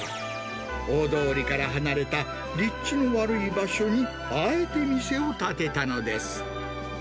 大通りから離れた立地の悪い場所にあえて店を建てたのです。